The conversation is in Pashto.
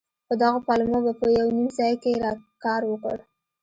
خو دغو پلمو به په يو نيم ځاى کښې کار وکړ.